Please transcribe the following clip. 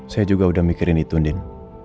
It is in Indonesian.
saya juga udah mikirin itu din